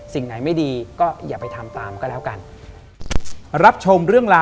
สิ่งไหนไม่ดีก็อย่าไปทำตามก็แล้วกัน